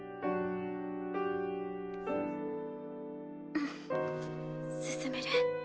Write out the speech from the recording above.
うん進める。